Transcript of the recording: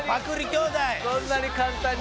そんなに簡単に。